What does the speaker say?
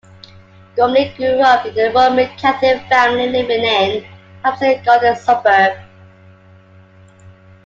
Gormley grew up in a Roman Catholic family living in Hampstead Garden Suburb.